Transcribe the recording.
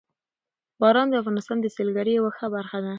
باران د افغانستان د سیلګرۍ یوه ښه برخه ده.